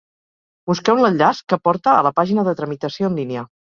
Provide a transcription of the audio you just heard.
Busqueu l'enllaç que porta a la pàgina de Tramitació en línia.